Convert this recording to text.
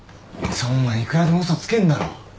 そんなんいくらでも嘘つけんだろ。